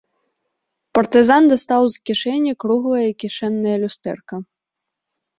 Партызан дастаў з кішэні круглае кішэннае люстэрка.